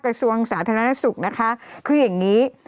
กระทรวงสาธารณสุขนะคะคืออย่างนี้